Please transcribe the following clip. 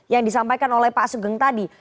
yang disampaikan oleh pak sugeng tadi